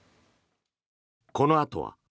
このあとは。